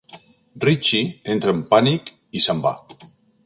Ritchie entra en pànic i se'n va.